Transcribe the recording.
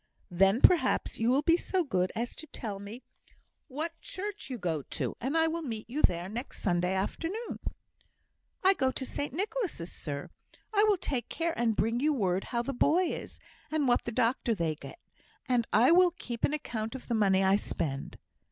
"Then, perhaps, you will be so good as to tell me what church you go to, and I will meet you there next Sunday afternoon?" "I go to St Nicholas', sir. I will take care and bring you word how the boy is, and what doctor they get; and I will keep an account of the money I spend."